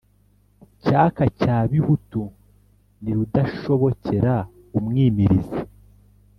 Cyaka cya Bihutu ni Rudashobokera-umwimirizi